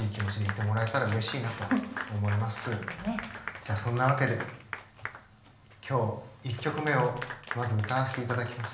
じゃあそんなわけで今日１曲目をまず歌わせていただきます。